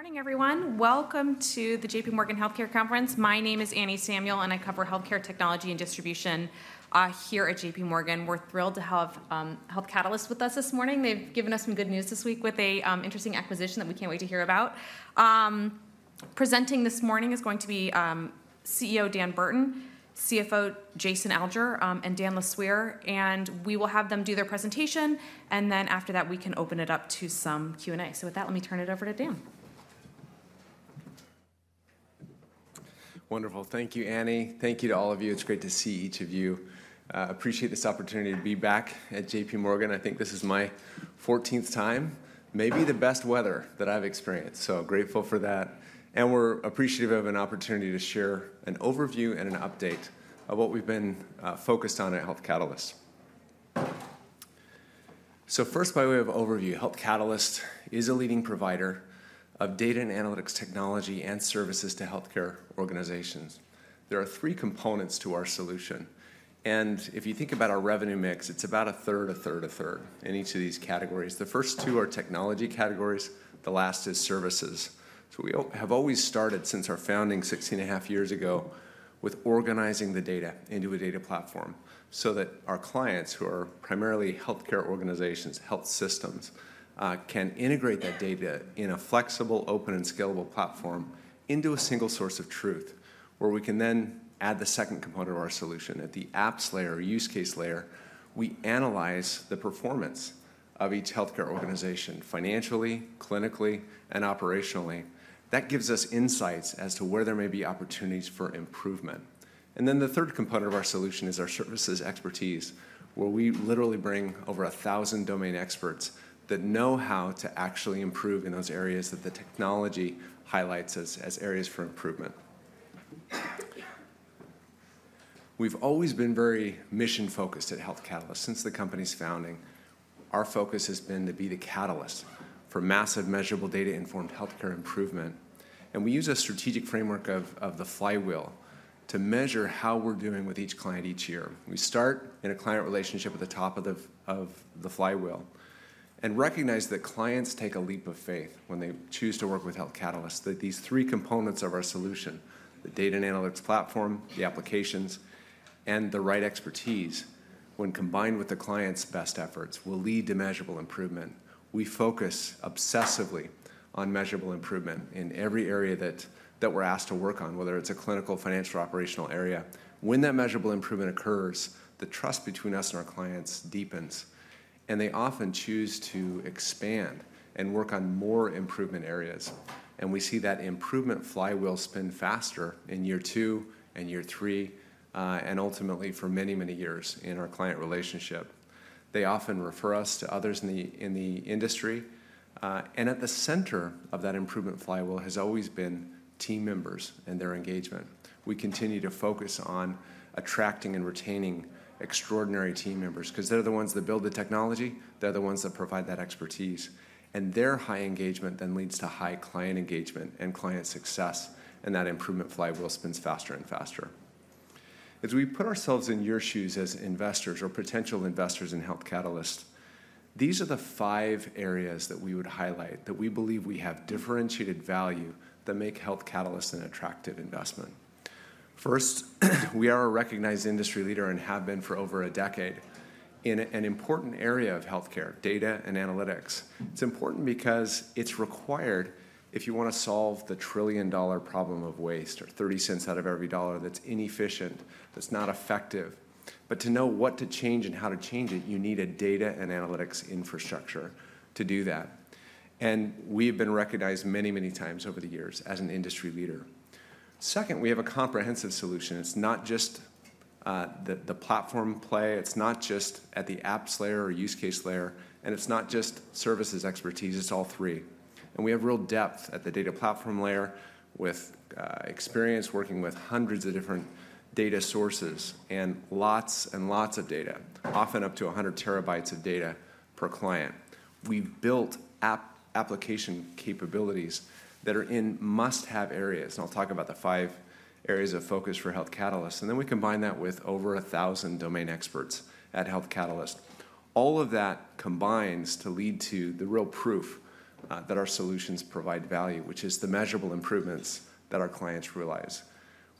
Good morning, everyone. Welcome to the JPMorgan Healthcare Conference. My name is Anne Samuel, and I cover healthcare technology and distribution here at JPMorgan. We're thrilled to have Health Catalyst with us this morning. They've given us some good news this week with an interesting acquisition that we can't wait to hear about. Presenting this morning is going to be CEO Dan Burton, CFO Jason Alger, and Dan LeSueur. And we will have them do their presentation, and then after that, we can open it up to some Q&A. So with that, let me turn it over to Dan. Wonderful. Thank you, Anne. Thank you to all of you. It's great to see each of you. I appreciate this opportunity to be back at J.P. Morgan. I think this is my 14th time, maybe the best weather that I've experienced, so grateful for that, and we're appreciative of an opportunity to share an overview and an update of what we've been focused on at Health Catalyst, so first, by way of overview, Health Catalyst is a leading provider of data and analytics technology and services to healthcare organizations. There are three components to our solution, and if you think about our revenue mix, it's about a third, a third, a third in each of these categories. The first two are technology categories. The last is services. So we have always started, since our founding 16 and a half years ago, with organizing the data into a data platform so that our clients, who are primarily healthcare organizations, health systems, can integrate that data in a flexible, open, and scalable platform into a single source of truth, where we can then add the second component of our solution. At the apps layer, use case layer, we analyze the performance of each healthcare organization financially, clinically, and operationally. That gives us insights as to where there may be opportunities for improvement. And then the third component of our solution is our services expertise, where we literally bring over 1,000 domain experts that know how to actually improve in those areas that the technology highlights as areas for improvement. We've always been very mission-focused at Health Catalyst. Since the company's founding, our focus has been to be the catalyst for massive, measurable, data-informed healthcare improvement. And we use a strategic framework of the flywheel to measure how we're doing with each client each year. We start in a client relationship at the top of the flywheel and recognize that clients take a leap of faith when they choose to work with Health Catalyst, that these three components of our solution, the data and analytics platform, the applications, and the right expertise, when combined with the client's best efforts will lead to measurable improvement. We focus obsessively on measurable improvement in every area that we're asked to work on, whether it's a clinical, financial, or operational area. When that measurable improvement occurs, the trust between us and our clients deepens, and they often choose to expand and work on more improvement areas. We see that improvement flywheel spin faster in year two and year three, and ultimately for many, many years in our client relationship. They often refer us to others in the industry. And at the center of that improvement flywheel has always been team members and their engagement. We continue to focus on attracting and retaining extraordinary team members because they're the ones that build the technology. They're the ones that provide that expertise. And their high engagement then leads to high client engagement and client success, and that improvement flywheel spins faster and faster. As we put ourselves in your shoes as investors or potential investors in Health Catalyst, these are the five areas that we would highlight that we believe we have differentiated value that make Health Catalyst an attractive investment. First, we are a recognized industry leader and have been for over a decade in an important area of healthcare: data and analytics. It's important because it's required if you want to solve the trillion-dollar problem of waste or 30 cents out of every dollar that's inefficient, that's not effective, but to know what to change and how to change it, you need a data and analytics infrastructure to do that, and we have been recognized many, many times over the years as an industry leader. Second, we have a comprehensive solution. It's not just the platform play. It's not just at the apps layer or use case layer, and it's not just services expertise. It's all three. And we have real depth at the data platform layer with experience working with hundreds of different data sources and lots and lots of data, often up to 100 terabytes of data per client. We've built application capabilities that are in must-have areas. And I'll talk about the five areas of focus for Health Catalyst. And then we combine that with over 1,000 domain experts at Health Catalyst. All of that combines to lead to the real proof that our solutions provide value, which is the measurable improvements that our clients realize.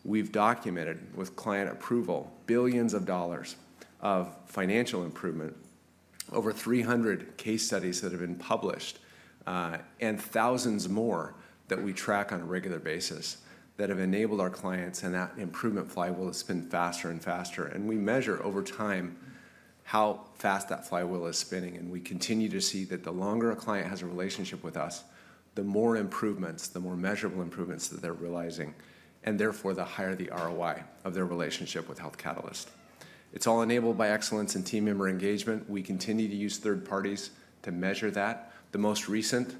We've documented with client approval billions of dollars of financial improvement, over 300 case studies that have been published, and thousands more that we track on a regular basis that have enabled our clients. And that improvement flywheel has spun faster and faster. And we measure over time how fast that flywheel is spinning. We continue to see that the longer a client has a relationship with us, the more improvements, the more measurable improvements that they're realizing, and therefore the higher the ROI of their relationship with Health Catalyst. It's all enabled by excellence and team member engagement. We continue to use third parties to measure that. The most recent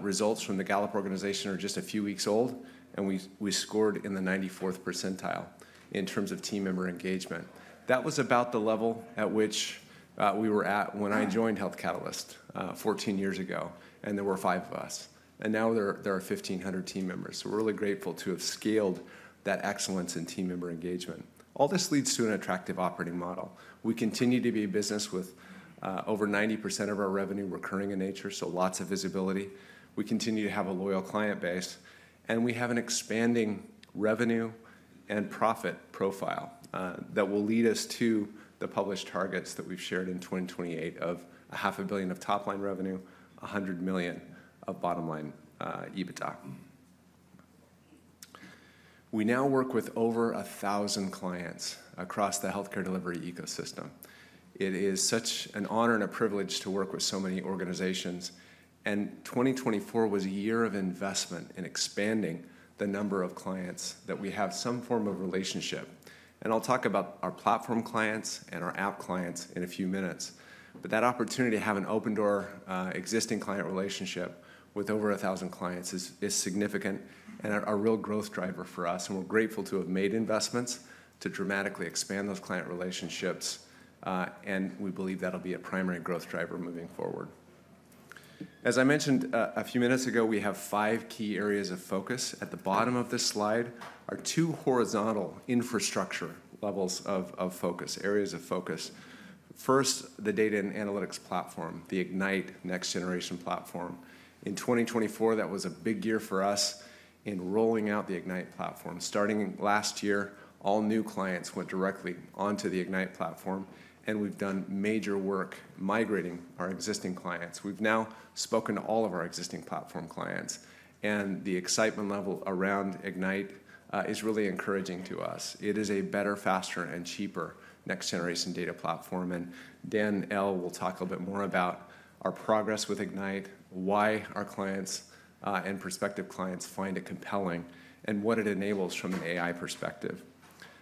results from the Gallup organization are just a few weeks old, and we scored in the 94th percentile in terms of team member engagement. That was about the level at which we were at when I joined Health Catalyst 14 years ago, and there were five of us. Now there are 1,500 team members. We're really grateful to have scaled that excellence and team member engagement. All this leads to an attractive operating model. We continue to be in business with over 90% of our revenue recurring in nature, so lots of visibility. We continue to have a loyal client base. And we have an expanding revenue and profit profile that will lead us to the published targets that we've shared in 2028 of $500 million of top-line revenue, $100 million of bottom-line EBITDA. We now work with over 1,000 clients across the healthcare delivery ecosystem. It is such an honor and a privilege to work with so many organizations. And 2024 was a year of investment in expanding the number of clients that we have some form of relationship. And I'll talk about our platform clients and our app clients in a few minutes. But that opportunity to have an open-door existing client relationship with over 1,000 clients is significant and a real growth driver for us. We're grateful to have made investments to dramatically expand those client relationships. We believe that'll be a primary growth driver moving forward. As I mentioned a few minutes ago, we have five key areas of focus. At the bottom of this slide are two horizontal infrastructure levels of focus, areas of focus. First, the data and analytics platform, the Ignite Next Generation platform. In 2024, that was a big year for us in rolling out the Ignite platform. Starting last year, all new clients went directly onto the Ignite platform. We've done major work migrating our existing clients. We've now spoken to all of our existing platform clients. The excitement level around Ignite is really encouraging to us. It is a better, faster, and cheaper next-generation data platform. Dan L. Will talk a little bit more about our progress with Ignite, why our clients and prospective clients find it compelling, and what it enables from an AI perspective.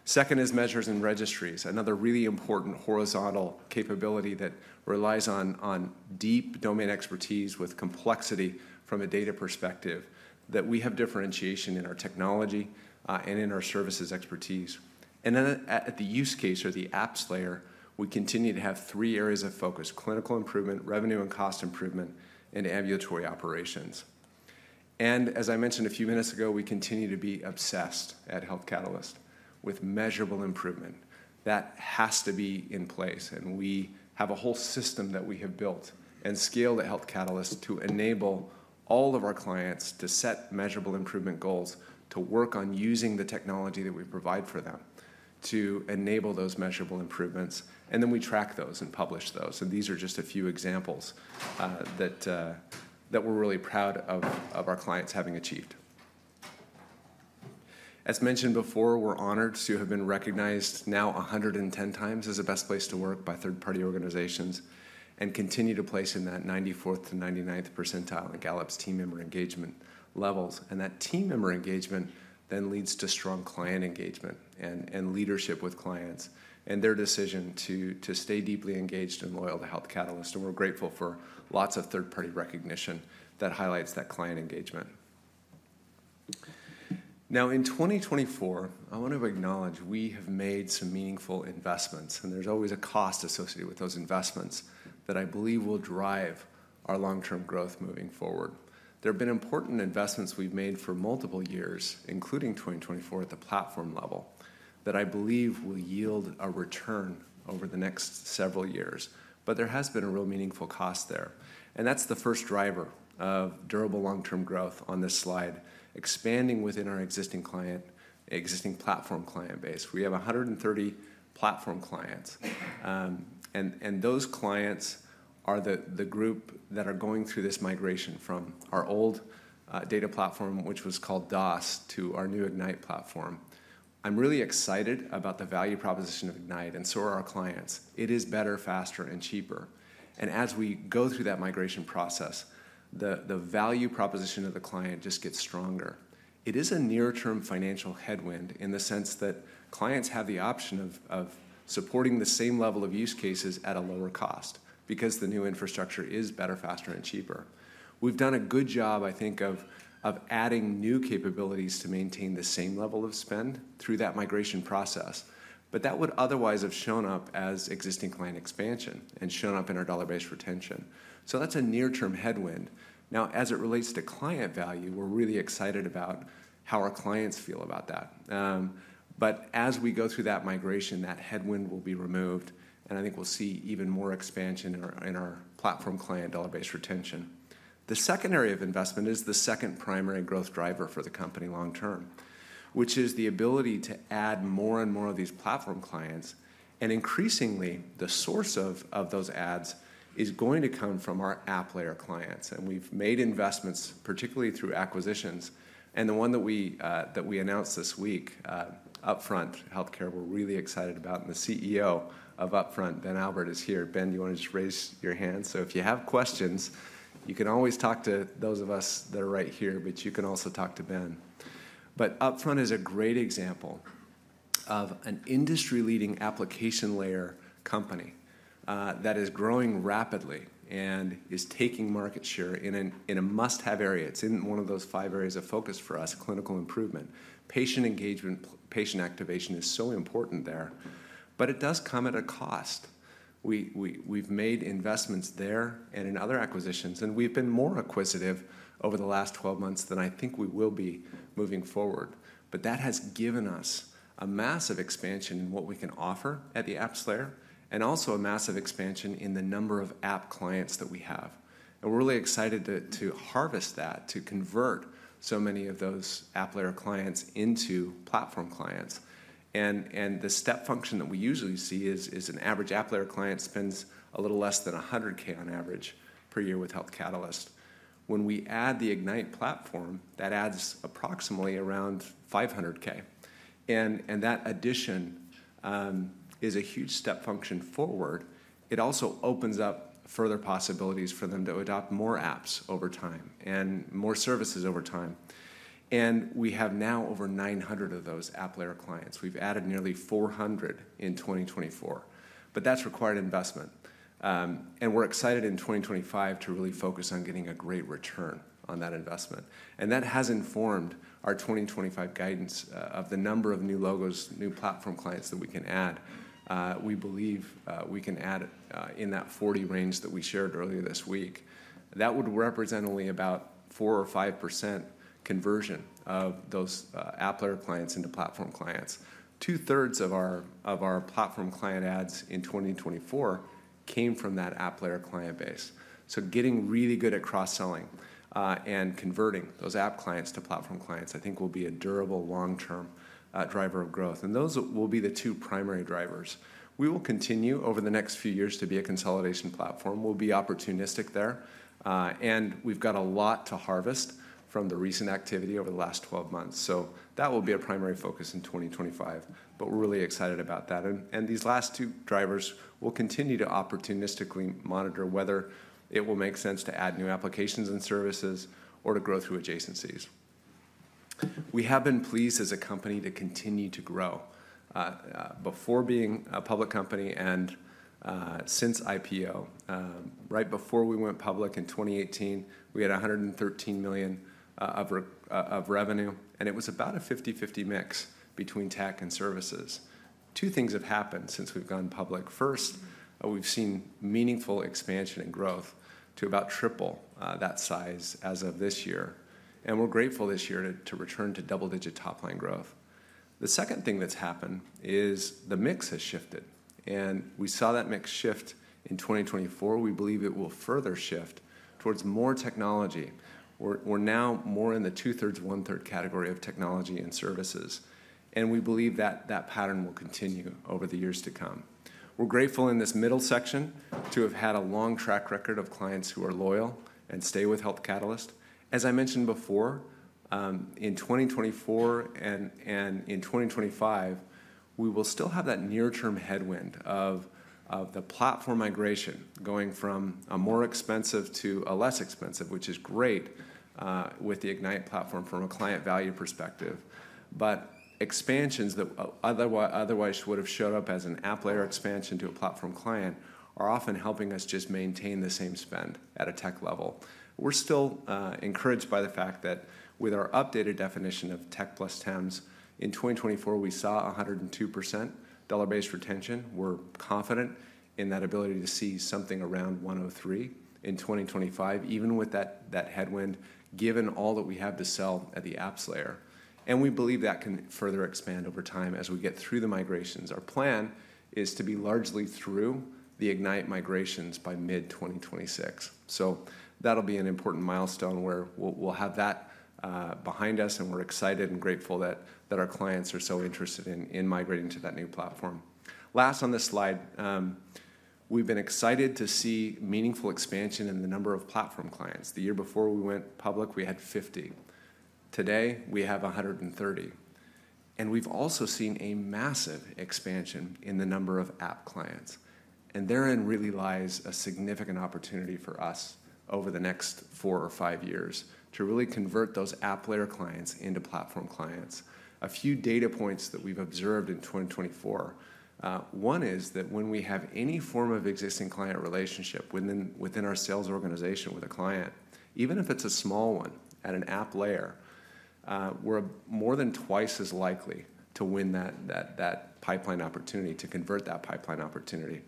Second is measures and registries, another really important horizontal capability that relies on deep domain expertise with complexity from a data perspective, that we have differentiation in our technology and in our services expertise. And then at the use case or the apps layer, we continue to have three areas of focus: clinical improvement, revenue and cost improvement, and ambulatory operations. And as I mentioned a few minutes ago, we continue to be obsessed at Health Catalyst with measurable improvement. That has to be in place. We have a whole system that we have built and scaled at Health Catalyst to enable all of our clients to set measurable improvement goals, to work on using the technology that we provide for them, to enable those measurable improvements. We then track those and publish those. These are just a few examples that we're really proud of our clients having achieved. As mentioned before, we're honored to have been recognized now 110 times as the best place to work by third-party organizations and continue to place in that 94th-99th percentile in Gallup's team member engagement levels. That team member engagement then leads to strong client engagement and leadership with clients and their decision to stay deeply engaged and loyal to Health Catalyst. We're grateful for lots of third-party recognition that highlights that client engagement. Now, in 2024, I want to acknowledge we have made some meaningful investments, and there's always a cost associated with those investments that I believe will drive our long-term growth moving forward. There have been important investments we've made for multiple years, including 2024, at the platform level that I believe will yield a return over the next several years, but there has been a real meaningful cost there, and that's the first driver of durable long-term growth on this slide: expanding within our existing client, existing platform client base. We have 130 platform clients, and those clients are the group that are going through this migration from our old data platform, which was called DOS, to our new Ignite platform. I'm really excited about the value proposition of Ignite and so are our clients. It is better, faster, and cheaper. As we go through that migration process, the value proposition of the client just gets stronger. It is a near-term financial headwind in the sense that clients have the option of supporting the same level of use cases at a lower cost because the new infrastructure is better, faster, and cheaper. We've done a good job, I think, of adding new capabilities to maintain the same level of spend through that migration process. That would otherwise have shown up as existing client expansion and shown up in our dollar-based retention. That's a near-term headwind. Now, as it relates to client value, we're really excited about how our clients feel about that. As we go through that migration, that headwind will be removed. I think we'll see even more expansion in our platform client dollar-based retention. The second area of investment is the second primary growth driver for the company long-term, which is the ability to add more and more of these platform clients. And increasingly, the source of those adds is going to come from our app layer clients. And we've made investments, particularly through acquisitions. And the one that we announced this week, Upfront Healthcare, we're really excited about. And the CEO of Upfront, Ben Albert, is here. Ben, do you want to just raise your hand? So if you have questions, you can always talk to those of us that are right here, but you can also talk to Ben. But Upfront is a great example of an industry-leading application layer company that is growing rapidly and is taking market share in a must-have area. It's in one of those five areas of focus for us: clinical improvement. Patient engagement, patient activation is so important there. But it does come at a cost. We've made investments there and in other acquisitions. And we've been more acquisitive over the last 12 months than I think we will be moving forward. But that has given us a massive expansion in what we can offer at the apps layer and also a massive expansion in the number of app clients that we have. And we're really excited to harvest that, to convert so many of those app layer clients into platform clients. And the step function that we usually see is an average app layer client spends a little less than $100K on average per year with Health Catalyst. When we add the Ignite platform, that adds approximately around $500K. And that addition is a huge step function forward. It also opens up further possibilities for them to adopt more apps over time and more services over time. And we have now over 900 of those app layer clients. We've added nearly 400 in 2024. But that's required investment. And we're excited in 2025 to really focus on getting a great return on that investment. And that has informed our 2025 guidance of the number of new logos, new platform clients that we can add. We believe we can add in that 40 range that we shared earlier this week. That would represent only about 4% or 5% conversion of those app layer clients into platform clients. Two-thirds of our platform client adds in 2024 came from that app layer client base. So getting really good at cross-selling and converting those app clients to platform clients, I think, will be a durable long-term driver of growth. Those will be the two primary drivers. We will continue over the next few years to be a consolidation platform. We'll be opportunistic there. And we've got a lot to harvest from the recent activity over the last 12 months. So that will be a primary focus in 2025. But we're really excited about that. And these last two drivers, we'll continue to opportunistically monitor whether it will make sense to add new applications and services or to grow through adjacencies. We have been pleased as a company to continue to grow. Before being a public company and since IPO, right before we went public in 2018, we had $113 million of revenue. And it was about a 50/50 mix between tech and services. Two things have happened since we've gone public. First, we've seen meaningful expansion and growth to about triple that size as of this year. We're grateful this year to return to double-digit top-line growth. The second thing that's happened is the mix has shifted. We saw that mix shift in 2024. We believe it will further shift towards more technology. We're now more in the two-thirds, one-third category of technology and services. We believe that that pattern will continue over the years to come. We're grateful in this middle section to have had a long track record of clients who are loyal and stay with Health Catalyst. As I mentioned before, in 2024 and in 2025, we will still have that near-term headwind of the platform migration going from a more expensive to a less expensive, which is great with the Ignite platform from a client value perspective. But expansions that otherwise would have showed up as an app layer expansion to a platform client are often helping us just maintain the same spend at a tech level. We're still encouraged by the fact that with our updated definition of tech plus TEMS, in 2024, we saw 102% dollar-based retention. We're confident in that ability to see something around 103% in 2025, even with that headwind, given all that we have to sell at the apps layer. And we believe that can further expand over time as we get through the migrations. Our plan is to be largely through the Ignite migrations by mid-2026. So that'll be an important milestone where we'll have that behind us. And we're excited and grateful that our clients are so interested in migrating to that new platform. Last on this slide, we've been excited to see meaningful expansion in the number of platform clients. The year before we went public, we had 50. Today, we have 130, and we've also seen a massive expansion in the number of app clients, and therein really lies a significant opportunity for us over the next four or five years to really convert those app layer clients into platform clients. A few data points that we've observed in 2024. One is that when we have any form of existing client relationship within our sales organization with a client, even if it's a small one at an app layer, we're more than twice as likely to win that pipeline opportunity to convert that pipeline opportunity.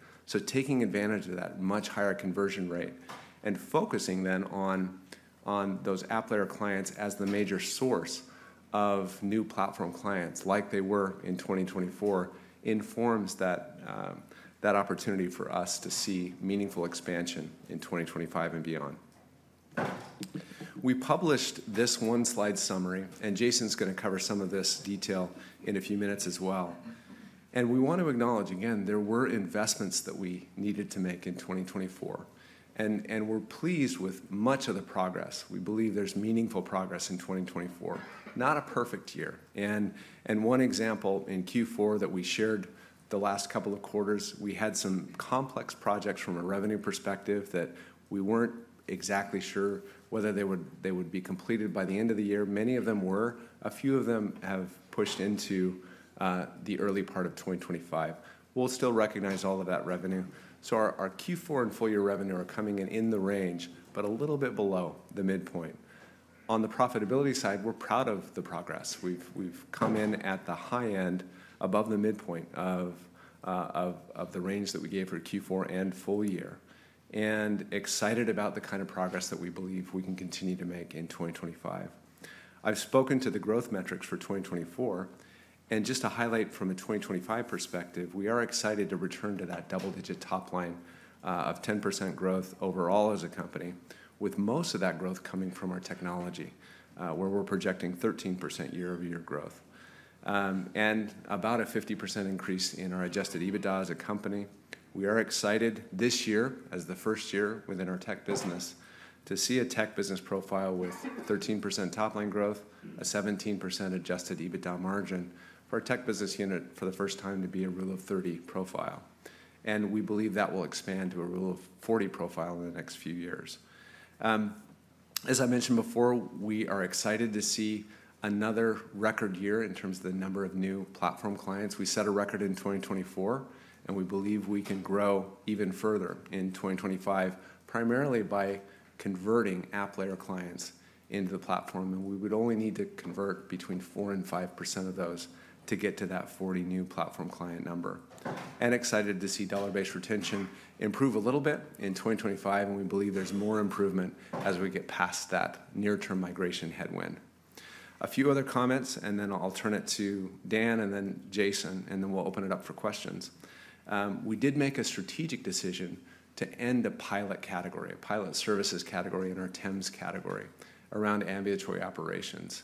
Taking advantage of that much higher conversion rate and focusing then on those app layer clients as the major source of new platform clients, like they were in 2024, informs that opportunity for us to see meaningful expansion in 2025 and beyond. We published this one slide summary. Jason's going to cover some of this detail in a few minutes as well. We want to acknowledge, again, there were investments that we needed to make in 2024. We're pleased with much of the progress. We believe there's meaningful progress in 2024, not a perfect year. One example in Q4 that we shared the last couple of quarters, we had some complex projects from a revenue perspective that we weren't exactly sure whether they would be completed by the end of the year. Many of them were. A few of them have pushed into the early part of 2025. We'll still recognize all of that revenue. So our Q4 and full-year revenue are coming in the range, but a little bit below the midpoint. On the profitability side, we're proud of the progress. We've come in at the high end, above the midpoint of the range that we gave for Q4 and full year, and excited about the kind of progress that we believe we can continue to make in 2025. I've spoken to the growth metrics for 2024. Just to highlight from a 2025 perspective, we are excited to return to that double-digit top line of 10% growth overall as a company, with most of that growth coming from our technology, where we're projecting 13% year-over-year growth and about a 50% increase in our Adjusted EBITDA as a company. We are excited this year, as the first year within our tech business, to see a tech business profile with 13% top-line growth, a 17% Adjusted EBITDA margin for our tech business unit for the first time to be a Rule of 30 profile, and we believe that will expand to a Rule of 40 profile in the next few years. As I mentioned before, we are excited to see another record year in terms of the number of new platform clients. We set a record in 2024, and we believe we can grow even further in 2025, primarily by converting app layer clients into the platform, and we would only need to convert between 4% and 5% of those to get to that 40 new platform client number, and excited to see dollar-based retention improve a little bit in 2025. We believe there's more improvement as we get past that near-term migration headwind. A few other comments, and then I'll turn it to Dan and then Jason, and then we'll open it up for questions. We did make a strategic decision to end a pilot category, a pilot services category in our TEMS category around ambulatory operations.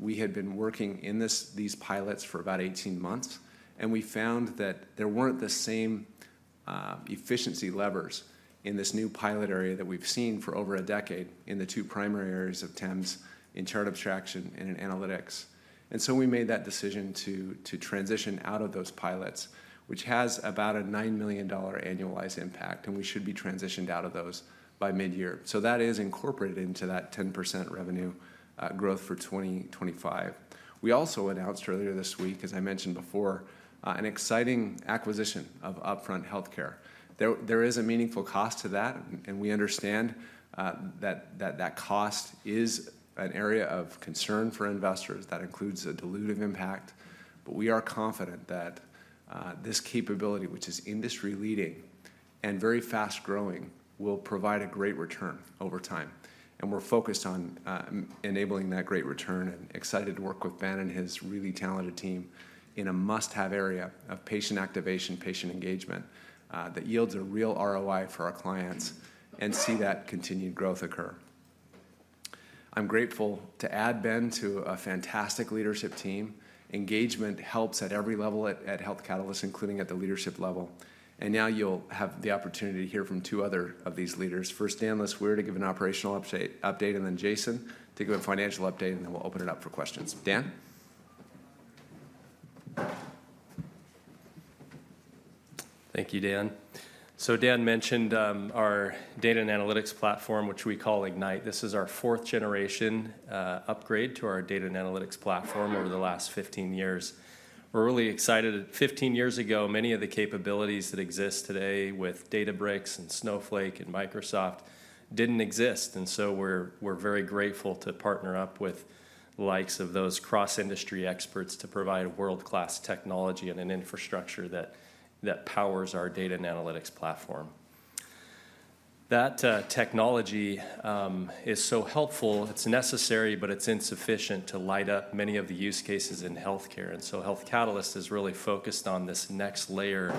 We had been working in these pilots for about 18 months. We found that there weren't the same efficiency levers in this new pilot area that we've seen for over a decade in the two primary areas of TEMS, in chart abstraction and in analytics. We made that decision to transition out of those pilots, which has about a $9 million annualized impact. We should be transitioned out of those by mid-year. That is incorporated into that 10% revenue growth for 2025. We also announced earlier this week, as I mentioned before, an exciting acquisition of Upfront Healthcare. There is a meaningful cost to that, and we understand that that cost is an area of concern for investors. That includes a dilutive impact, but we are confident that this capability, which is industry-leading and very fast-growing, will provide a great return over time, and we're focused on enabling that great return and excited to work with Ben and his really talented team in a must-have area of patient activation, patient engagement that yields a real ROI for our clients and see that continued growth occur. I'm grateful to add Ben to a fantastic leadership team. Engagement helps at every level at Health Catalyst, including at the leadership level, and now you'll have the opportunity to hear from two other of these leaders. First, Dan LeSueur to give an operational update, and then Jason to give a financial update, and then we'll open it up for questions. Dan? Thank you, Dan, so Dan mentioned our data and analytics platform, which we call Ignite. This is our 4th-generation upgrade to our data and analytics platform over the last 15 years. We're really excited. 15 years ago, many of the capabilities that exist today with Databricks and Snowflake and Microsoft didn't exist, and so we're very grateful to partner up with the likes of those cross-industry experts to provide world-class technology and an infrastructure that powers our data and analytics platform. That technology is so helpful. It's necessary, but it's insufficient to light up many of the use cases in healthcare. And so Health Catalyst is really focused on this next layer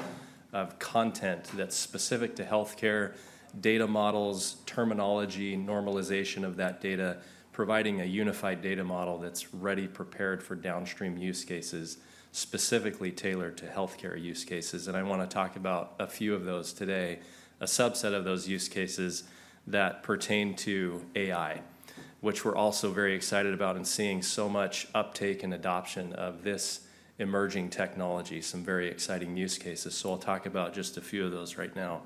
of content that's specific to healthcare, data models, terminology, normalization of that data, providing a unified data model that's ready, prepared for downstream use cases specifically tailored to healthcare use cases. And I want to talk about a few of those today, a subset of those use cases that pertain to AI, which we're also very excited about and seeing so much uptake and adoption of this emerging technology, some very exciting use cases. So I'll talk about just a few of those right now.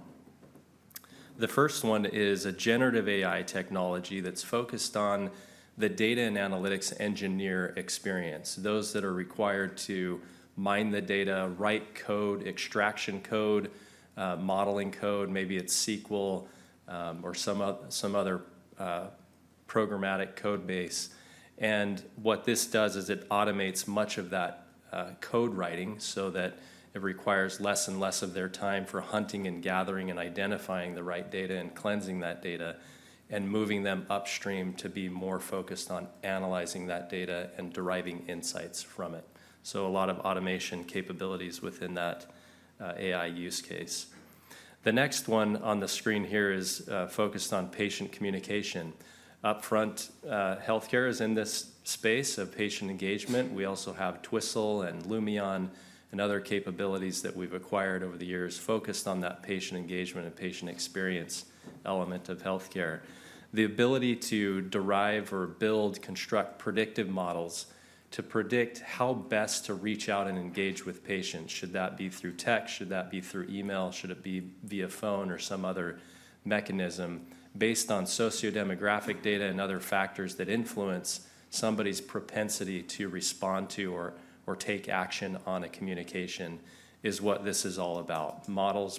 The first one is a Generative AI technology that's focused on the data and analytics engineer experience, those that are required to mine the data, write code, extraction code, modeling code. Maybe it's SQL or some other programmatic code base. What this does is it automates much of that code writing so that it requires less and less of their time for hunting and gathering and identifying the right data and cleansing that data and moving them upstream to be more focused on analyzing that data and deriving insights from it. A lot of automation capabilities exist within that AI use case. The next one on the screen here is focused on patient communication. Upfront Healthcare is in this space of patient engagement. We also have Twistle and Lumeon and other capabilities that we've acquired over the years focused on that patient engagement and patient experience element of healthcare. The ability to derive or build, construct predictive models to predict how best to reach out and engage with patients. Should that be through text? Should that be through email? Should it be via phone or some other mechanism? Based on sociodemographic data and other factors that influence somebody's propensity to respond to or take action on a communication is what this is all about: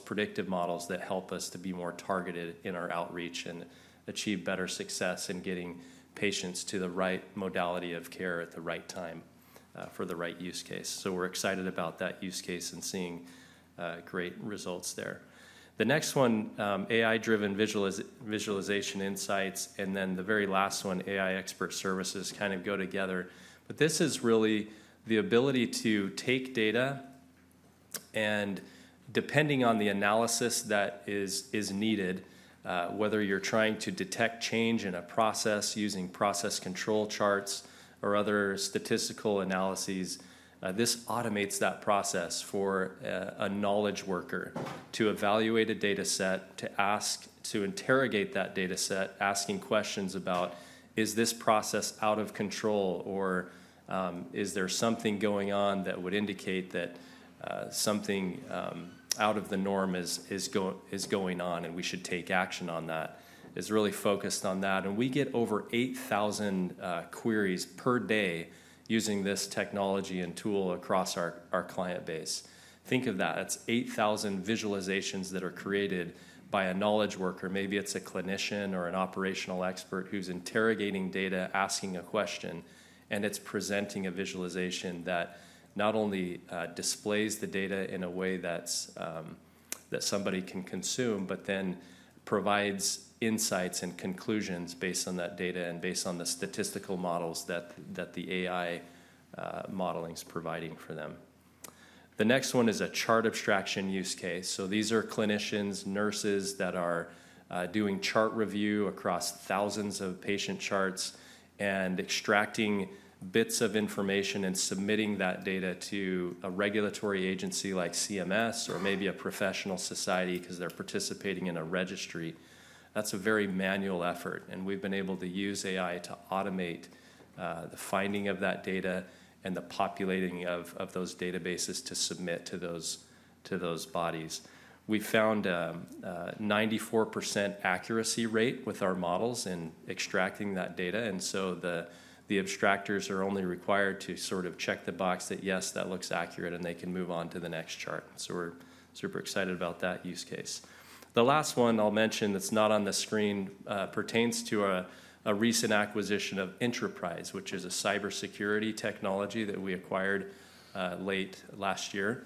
predictive models that help us to be more targeted in our outreach and achieve better success in getting patients to the right modality of care at the right time for the right use case. So we're excited about that use case and seeing great results there. The next one, AI-driven visualization insights. And then the very last one, AI expert services kind of go together, but this is really the ability to take data and, depending on the analysis that is needed, whether you're trying to detect change in a process using process control charts or other statistical analyses, this automates that process for a knowledge worker to evaluate a data set, to interrogate that data set, asking questions about, "Is this process out of control?" or, "Is there something going on that would indicate that something out of the norm is going on and we should take action on that?" It's really focused on that. and we get over 8,000 queries per day using this technology and tool across our client base. Think of that. That's 8,000 visualizations that are created by a knowledge worker. Maybe it's a clinician or an operational expert who's interrogating data, asking a question. It's presenting a visualization that not only displays the data in a way that somebody can consume, but then provides insights and conclusions based on that data and based on the statistical models that the AI modeling is providing for them. The next one is a chart abstraction use case. These are clinicians, nurses that are doing chart review across thousands of patient charts and extracting bits of information and submitting that data to a regulatory agency like CMS or maybe a professional society because they're participating in a registry. That's a very manual effort. We've been able to use AI to automate the finding of that data and the populating of those databases to submit to those bodies. We found a 94% accuracy rate with our models in extracting that data. And so the abstractors are only required to sort of check the box that, "Yes, that looks accurate," and they can move on to the next chart. So we're super excited about that use case. The last one I'll mention that's not on the screen pertains to a recent acquisition of Intraprise, which is a cybersecurity technology that we acquired late last year.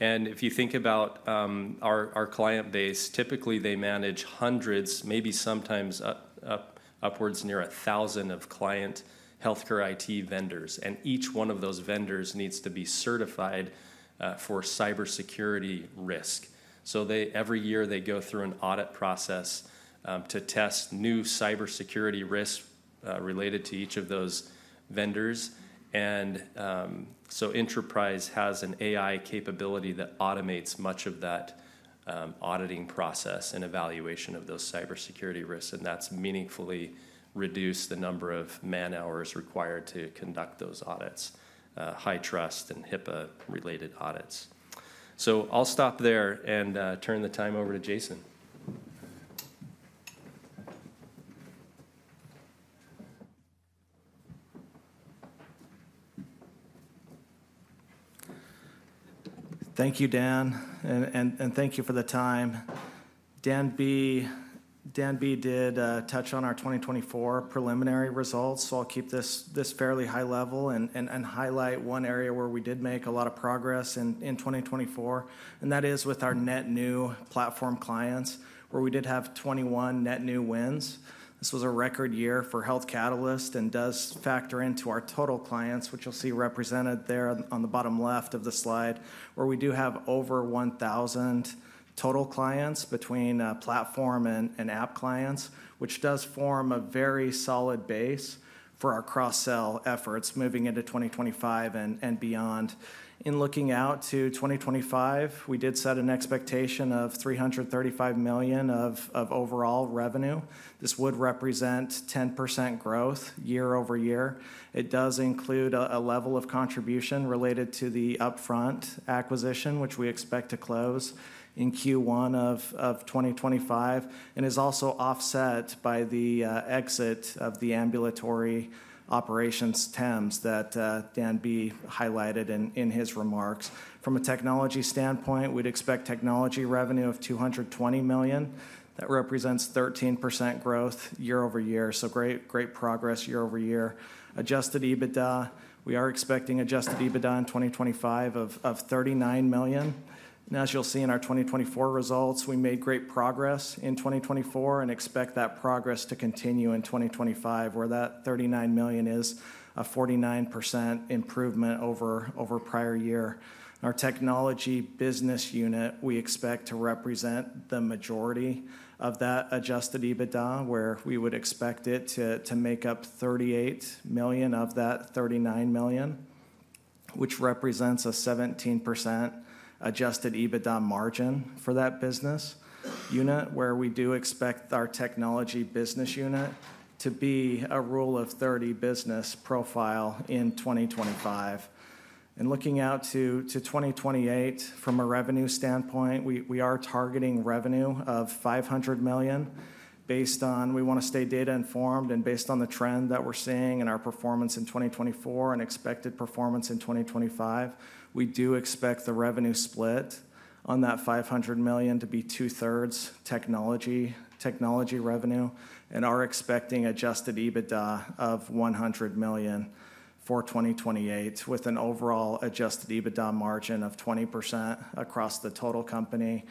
And if you think about our client base, typically they manage hundreds, maybe sometimes upwards near 1,000 client healthcare IT vendors. And each one of those vendors needs to be certified for cybersecurity risk. So every year they go through an audit process to test new cybersecurity risks related to each of those vendors. And so Intraprise has an AI capability that automates much of that auditing process and evaluation of those cybersecurity risks. And that's meaningfully reduced the number of man-hours required to conduct those audits, HITRUST and HIPAA-related audits. So I'll stop there and turn the time over to Jason. Thank you, Dan, and thank you for the time. Dan B did touch on our 2024 preliminary results. I'll keep this fairly high level and highlight one area where we did make a lot of progress in 2024, and that is with our net new platform clients, where we did have 21 net new wins. This was a record year for Health Catalyst and does factor into our total clients, which you'll see represented there on the bottom left of the slide, where we do have over 1,000 total clients between platform and app clients, which does form a very solid base for our cross-sell efforts moving into 2025 and beyond. In looking out to 2025, we did set an expectation of $335 million of overall revenue. This would represent 10% growth year-over-year. It does include a level of contribution related to the Upfront acquisition, which we expect to close in Q1 of 2025 and is also offset by the exit of the ambulatory operations TEMS that Dan B highlighted in his remarks. From a technology standpoint, we'd expect technology revenue of $220 million. That represents 13% growth year-over-year, so great progress year-over-year. Adjusted EBITDA, we are expecting adjusted EBITDA in 2025 of $39 million. As you'll see in our 2024 results, we made great progress in 2024 and expect that progress to continue in 2025, where that $39 million is a 49% improvement over prior year. Our technology business unit, we expect to represent the majority of that Adjusted EBITDA, where we would expect it to make up $38 million of that $39 million, which represents a 17% Adjusted EBITDA margin for that business unit, where we do expect our technology business unit to be a Rule of 30 business profile in 2025, and looking out to 2028, from a revenue standpoint, we are targeting revenue of $500 million based on we want to stay data-informed, and based on the trend that we're seeing in our performance in 2024 and expected performance in 2025, we do expect the revenue split on that $500 million to be two-thirds technology revenue. And are expecting Adjusted EBITDA of $100 million for 2028, with an overall Adjusted EBITDA margin of 20% across the total company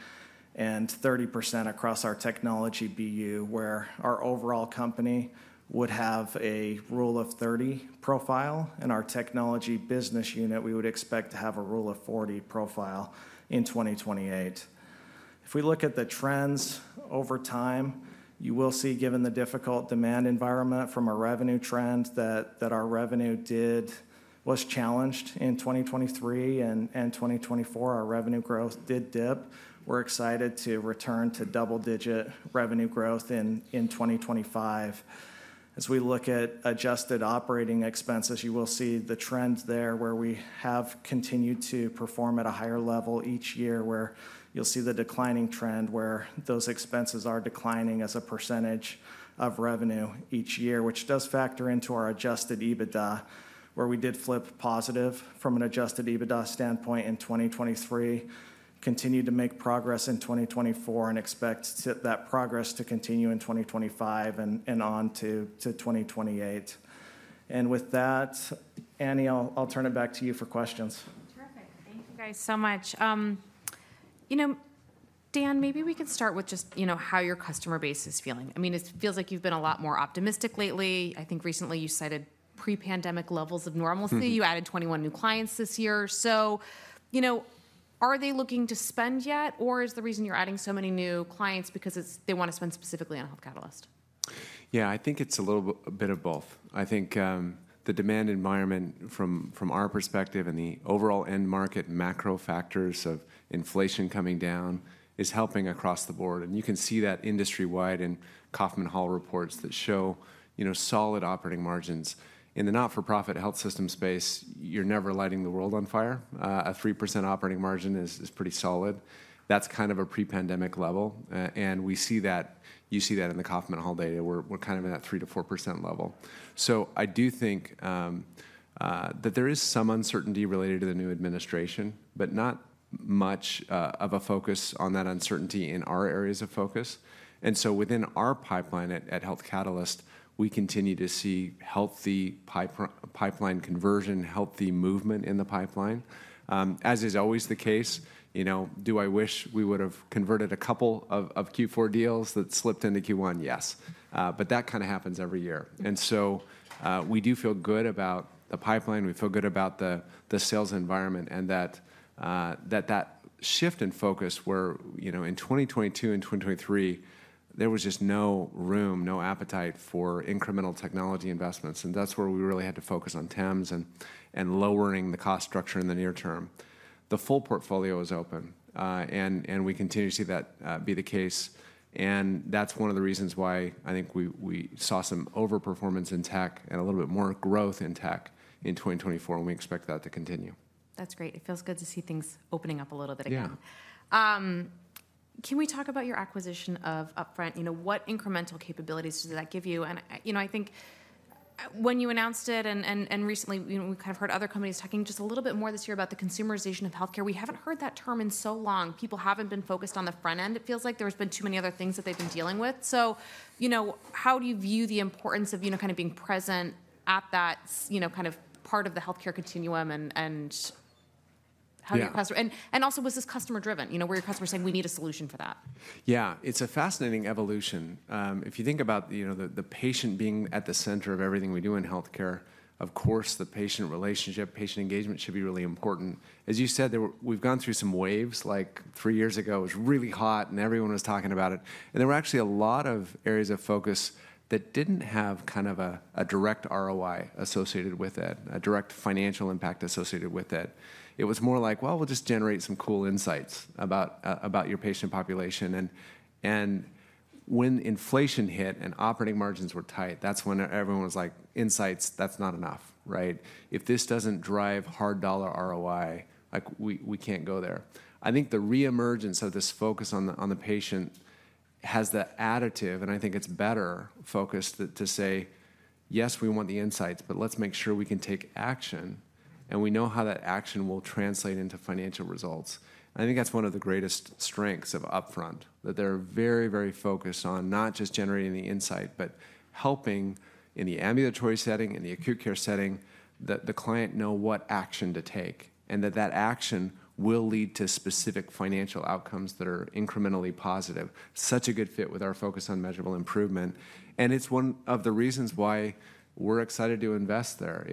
and 30% across our technology BU, where our overall company would have a Rule of 30 profile. And our technology business unit, we would expect to have a Rule of 40 profile in 2028. If we look at the trends over time, you will see, given the difficult demand environment from a revenue trend, that our revenue was challenged in 2023. And in 2024, our revenue growth did dip. We're excited to return to double-digit revenue growth in 2025. As we look at adjusted operating expenses, you will see the trends there, where we have continued to perform at a higher level each year, where you'll see the declining trend, where those expenses are declining as a percentage of revenue each year, which does factor into our Adjusted EBITDA, where we did flip positive from an Adjusted EBITDA standpoint in 2023, continued to make progress in 2024, and expect that progress to continue in 2025 and on to 2028. And with that, Anne, I'll turn it back to you for questions. Terrific. Thank you guys so much. Dan, maybe we can start with just how your customer base is feeling. I mean, it feels like you've been a lot more optimistic lately. I think recently you cited pre-pandemic levels of normalcy. You added 21 new clients this year. So are they looking to spend yet? Or is the reason you're adding so many new clients because they want to spend specifically on Health Catalyst? Yeah, I think it's a little bit of both. I think the demand environment, from our perspective, and the overall end market macro factors of inflation coming down is helping across the board. And you can see that industry-wide in Kaufman Hall reports that show solid operating margins. In the not-for-profit health system space, you're never lighting the world on fire. A 3% operating margin is pretty solid. That's kind of a pre-pandemic level. And we see that. You see that in the Kaufman Hall data. We're kind of in that 3%-4% level. So I do think that there is some uncertainty related to the new administration, but not much of a focus on that uncertainty in our areas of focus. And so within our pipeline at Health Catalyst, we continue to see healthy pipeline conversion, healthy movement in the pipeline. As is always the case, do I wish we would have converted a couple of Q4 deals that slipped into Q1? Yes, but that kind of happens every year, and so we do feel good about the pipeline. We feel good about the sales environment and that shift in focus where in 2022 and 2023, there was just no room, no appetite for incremental technology investments, and that's where we really had to focus on TEMS and lowering the cost structure in the near term. The full portfolio is open, and we continue to see that be the case, and that's one of the reasons why I think we saw some overperformance in tech and a little bit more growth in tech in 2024, and we expect that to continue. That's great. It feels good to see things opening up a little bit again. Can we talk about your acquisition of Upfront? What incremental capabilities does that give you? And I think when you announced it and recently we kind of heard other companies talking just a little bit more this year about the consumerization of healthcare, we haven't heard that term in so long. People haven't been focused on the front end. It feels like there's been too many other things that they've been dealing with. So how do you view the importance of kind of being present at that kind of part of the healthcare continuum? And how do you? And also, was this customer-driven? Were your customers saying, "We need a solution for that"? Yeah, it's a fascinating evolution. If you think about the patient being at the center of everything we do in healthcare, of course, the patient relationship, patient engagement should be really important. As you said, we've gone through some waves. Like three years ago, it was really hot and everyone was talking about it. And there were actually a lot of areas of focus that didn't have kind of a direct ROI associated with it, a direct financial impact associated with it. It was more like, "Well, we'll just generate some cool insights about your patient population." And when inflation hit and operating margins were tight, that's when everyone was like, "Insights, that's not enough, right? If this doesn't drive hard dollar ROI, we can't go there." I think the reemergence of this focus on the patient has the additive, and I think it's better focus to say, "Yes, we want the insights, but let's make sure we can take action." And we know how that action will translate into financial results. And I think that's one of the greatest strengths of Upfront, that they're very, very focused on not just generating the insight, but helping in the ambulatory setting, in the acute care setting, the client know what action to take. And that that action will lead to specific financial outcomes that are incrementally positive. Such a good fit with our focus on measurable improvement. And it's one of the reasons why we're excited to invest there.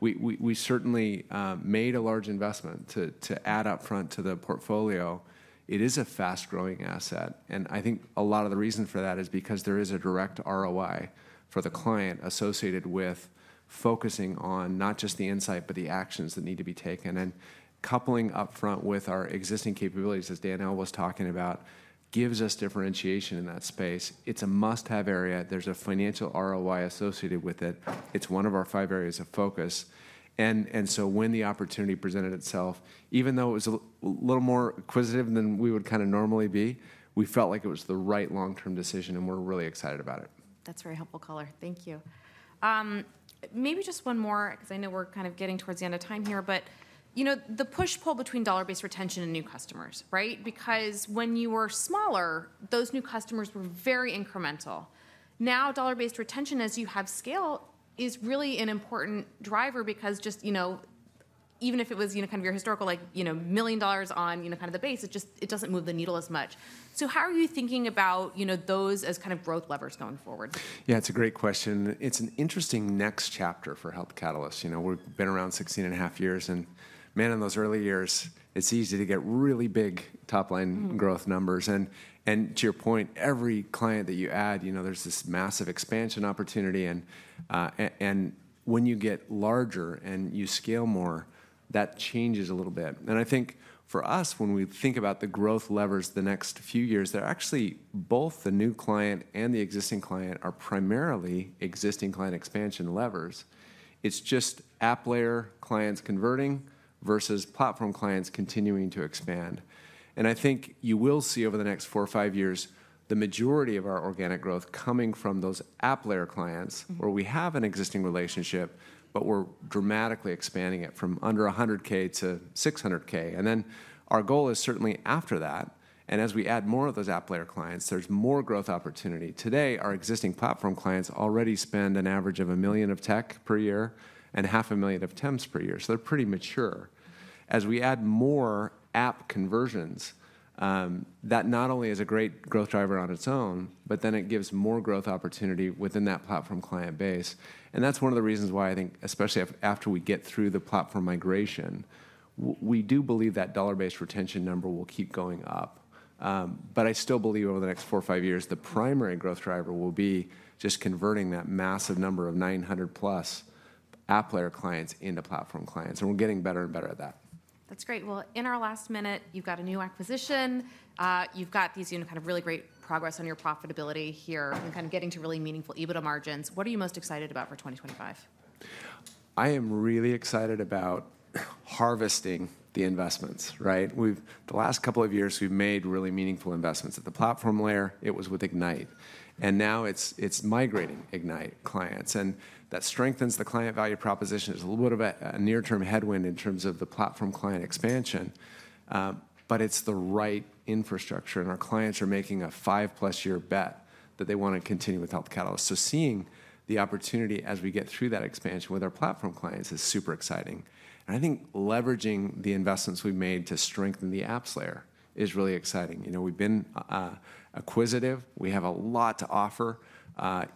We certainly made a large investment to add Upfront to the portfolio. It is a fast-growing asset. I think a lot of the reason for that is because there is a direct ROI for the client associated with focusing on not just the insight, but the actions that need to be taken. Coupling Upfront with our existing capabilities, as Dan L. was talking about, gives us differentiation in that space. It's a must-have area. There's a financial ROI associated with it. It's one of our five areas of focus. So when the opportunity presented itself, even though it was a little more acquisitive than we would kind of normally be, we felt like it was the right long-term decision. We're really excited about it. That's very helpful, caller. Thank you. Maybe just one more, because I know we're kind of getting towards the end of time here. But the push-pull between dollar-based retention and new customers, right? Because when you were smaller, those new customers were very incremental. Now, dollar-based retention, as you have scale, is really an important driver because just even if it was kind of your historical, like $1 million on kind of the base, it doesn't move the needle as much. So how are you thinking about those as kind of growth levers going forward? Yeah, it's a great question. It's an interesting next chapter for Health Catalyst. We've been around 16 and a half years, and man, in those early years, it's easy to get really big top-line growth numbers. And to your point, every client that you add, there's this massive expansion opportunity. And when you get larger and you scale more, that changes a little bit. And I think for us, when we think about the growth levers the next few years, they're actually both the new client and the existing client are primarily existing client expansion levers. It's just app layer clients converting versus platform clients continuing to expand. And I think you will see over the next four or five years the majority of our organic growth coming from those app layer clients, where we have an existing relationship, but we're dramatically expanding it from under $100K to $600K. And then our goal is certainly after that. And as we add more of those app layer clients, there's more growth opportunity. Today, our existing platform clients already spend an average of $1 million of tech per year and $500,000 of TEMS per year. So they're pretty mature. As we add more app conversions, that not only is a great growth driver on its own, but then it gives more growth opportunity within that platform client base. And that's one of the reasons why I think, especially after we get through the platform migration, we do believe that dollar-based retention number will keep going up. But I still believe over the next four or five years, the primary growth driver will be just converting that massive number of 900-plus app layer clients into platform clients. And we're getting better and better at that. That's great. Well, in our last minute, you've got a new acquisition. You've got these kind of really great progress on your profitability here and kind of getting to really meaningful EBITDA margins. What are you most excited about for 2025? I am really excited about harvesting the investments, right? The last couple of years, we've made really meaningful investments. At the platform layer, it was with Ignite. And now it's migrating Ignite clients. And that strengthens the client value proposition. It's a little bit of a near-term headwind in terms of the platform client expansion. But it's the right infrastructure. And our clients are making a five-plus-year bet that they want to continue with Health Catalyst. So seeing the opportunity as we get through that expansion with our platform clients is super exciting. And I think leveraging the investments we've made to strengthen the apps layer is really exciting. We've been acquisitive. We have a lot to offer.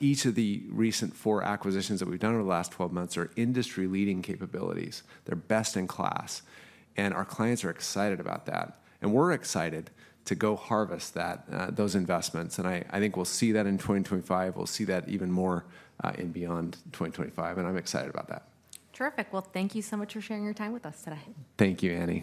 Each of the recent four acquisitions that we've done over the last 12 months are industry-leading capabilities. They're best in class. And our clients are excited about that. And we're excited to go harvest those investments. And I think we'll see that in 2025. We'll see that even more in and beyond 2025. And I'm excited about that. Terrific. Well, thank you so much for sharing your time with us today. Thank you, Anne.